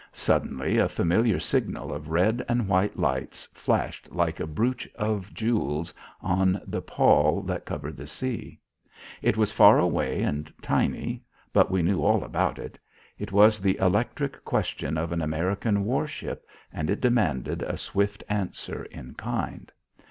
Suddenly a familiar signal of red and white lights flashed like a brooch of jewels on the pall that covered the sea. It was far away and tiny, but we knew all about it. It was the electric question of an American war ship and it demanded a swift answer in kind.